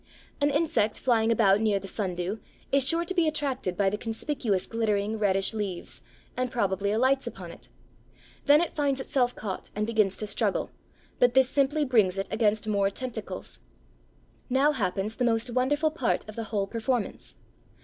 An insect flying about near the Sundew is sure to be attracted by the conspicuous glittering, reddish leaves, and probably alights upon it. Then it finds itself caught and begins to struggle, but this simply brings it against more tentacles. Now happens the most wonderful part of the whole performance.